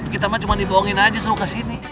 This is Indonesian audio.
kita mah cuma dibohongin aja suruh ke sini